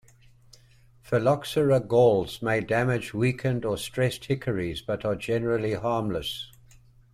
"Phylloxera" galls may damage weakened or stressed hickories, but are generally harmless.